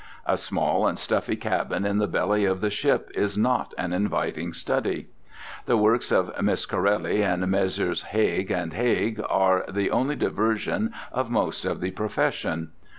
A small and stuffy cabin in the belly of the ship is not an inviting study. The works of Miss Corelli and Messrs. Haig and Haig are the only diversions of most of the profession.